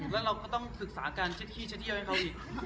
แล้วเราก็ต้องศึกษาการเช็ดที่จะเที่ยวให้เขาอีก